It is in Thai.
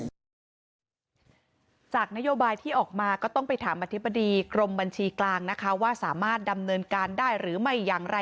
จากนโยบายที่ออกมาก็ต้องไปถามอธิบดีกรมบัญชีกลางนะคะว่าสามารถดำเนินการได้หรือไม่อย่างไร